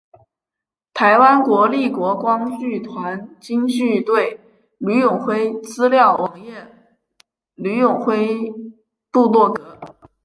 台湾国立国光剧团京剧队吕永辉资料网页吕永辉部落格